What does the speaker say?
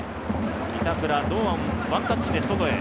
板倉、堂安をワンタッチで外へ。